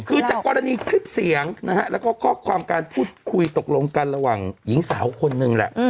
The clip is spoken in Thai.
คือจากกรณีคลิปเสียงนะฮะแล้วก็ข้อความการพูดคุยตกลงกันระหว่างหญิงสาวคนหนึ่งแหละ